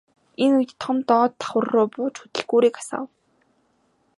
Энэ үед Том доод давхарруу бууж хөдөлгүүрийг асаав.